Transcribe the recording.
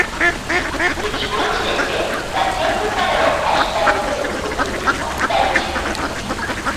তিনি বলেছিলেন যে তাঁর চেইন ধূমপানের অভ্যাস তার রোগের উৎপত্তির জন্য দায়ী ছিল।